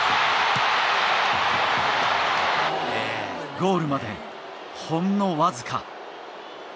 ゴールまでほんの僅か。